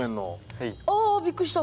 はい。ああびっくりした。